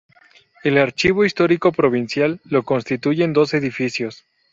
El Archivo Histórico Provincial lo constituyen dos edificios.